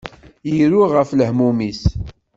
Iru ɣef lehmum-is.